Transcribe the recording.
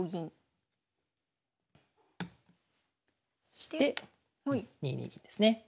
そして２二銀ですね。